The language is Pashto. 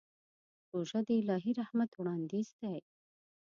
روژه د الهي رحمت وړاندیز دی.